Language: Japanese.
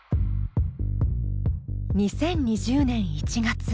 ２０２０年１月。